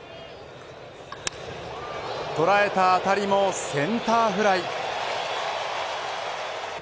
捉えた当たりもセンターフライ。